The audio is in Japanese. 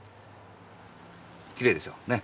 きれいでしょ？ね？